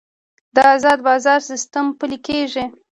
د ازاد بازار سیستم پلی کیږي